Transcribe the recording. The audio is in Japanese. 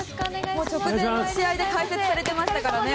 直前の試合で解説されていましたからね。